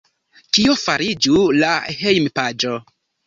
Kio fariĝu la hejmpaĝo?